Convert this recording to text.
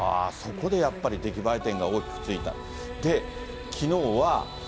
そこでやっぱり出来栄え点が大きくついた。